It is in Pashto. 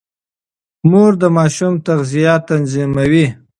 مور د ماشوم تغذيه تنظيموي.